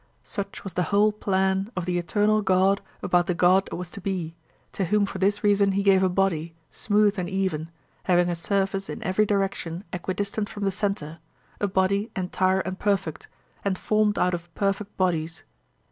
Such was the whole plan of the eternal God about the god that was to be, to whom for this reason he gave a body, smooth and even, having a surface in every direction equidistant from the centre, a body entire and perfect, and formed out of perfect bodies.